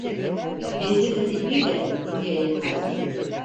Dinsizin ipi ile kuyuya inilmez.